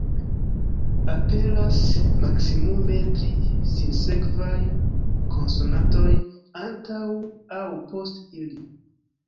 Aperas maksimume tri sinsekvaj konsonantoj antaŭ aŭ post ili.